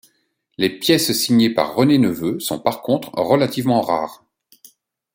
Les pièces signées par René Neveux sont par contre relativement rares.